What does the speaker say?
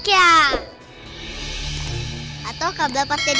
ya kamu kenapa